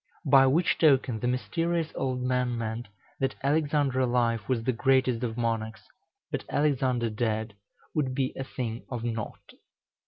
By which token the mysterious old man meant, that Alexander alive was the greatest of monarchs, but Alexander dead would be a thing of nought.